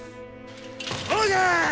そうじゃ！